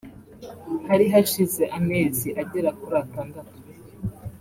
Hari hashize amezi agera kuri atandatu